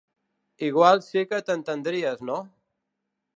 Igual sí que t'entendries, no?